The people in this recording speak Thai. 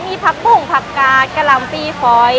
มีผักปุ้งผักกาดกะลำปีฟอย